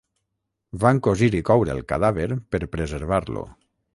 Van cosir i coure el cadàver per preservar-lo.